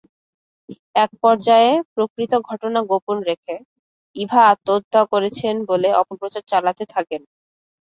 একপর্যায়ে প্রকৃত ঘটনা গোপন রেখে ইভা আত্মহত্যা করেছেন বলে অপপ্রচার চালাতে থাকেন।